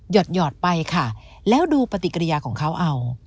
หยอดไปค่ะแล้วดูปฏิกิริยาของเขาเอา